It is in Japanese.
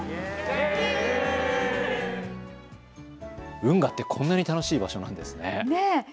運河ってこんなに楽しい場所なんですね。